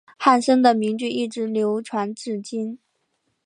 汉森的名句一直流传至今。